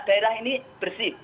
daerah ini bersih